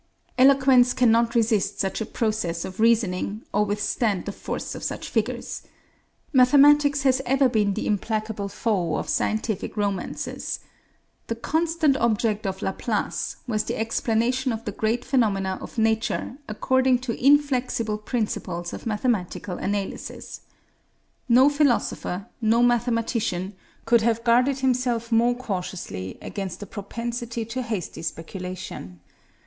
Eloquence cannot resist such a process of reasoning, or withstand the force of such figures. Mathematics has ever been the implacable foe of scientific romances. The constant object of Laplace was the explanation of the great phenomena of nature according to inflexible principles of mathematical analysis. No philosopher, no mathematician, could have guarded himself more cautiously against a propensity to hasty speculation.